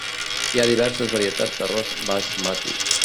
Hi ha diverses varietats d'arròs basmati.